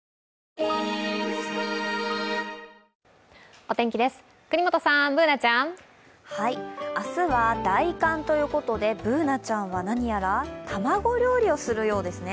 お天気です、國本さん、Ｂｏｏｎａちゃん。明日は大寒ということでＢｏｏｎａちゃんは何やら卵料理をするようですね。